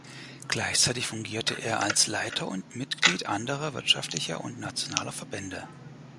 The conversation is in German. Gleichzeitig fungierte er als Leiter und Mitglied anderer wirtschaftlicher und nationaler Verbände.